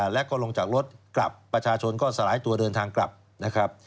แล้วก็ลงจากรถกลับประชาชนก็สลายตัวเดินทางกลับนะครับ